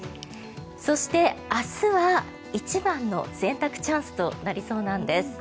そして、明日は一番の洗濯チャンスとなりそうなんです。